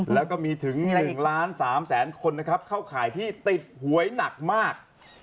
แล้วก็มีถึง๑๓ล้านคนเข้าข่ายที่ติดหวยหนักมาก